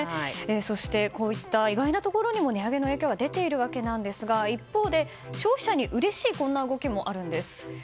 そして、こういった意外なところにも値上げの影響が出ているわけなんですが一方で消費者にうれしい動きもあるんです。